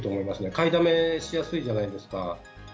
買いだめしやすいじゃないですか。